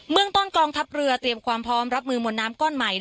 เมืองต้นกองทัพเรือเตรียมความพร้อมรับมือมวลน้ำก้อนใหม่